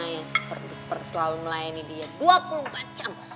riana yang super duper selalu melayani dia dua puluh empat jam